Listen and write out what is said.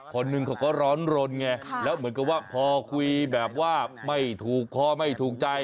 คนหนึ่งเขาก็ร้อนรนไงแล้วเหมือนกับว่าพอคุยแบบว่าไม่ถูกคอไม่ถูกใจ